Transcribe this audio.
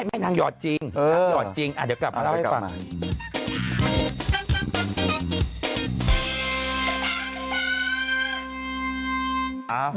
ไม่ยอดจริงอ่ะเดี๋ยวกลับมาเล่าให้ฟัง